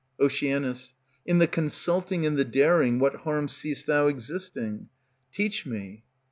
Oc. In the consulting and the daring What harm seest thou existing? Teach me.